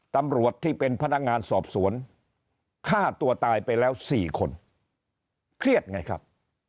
ตำรวจที่เป็นพนักงานสอบสวนฆ่าตัวตายไปแล้ว๔คนเครียดไงครับ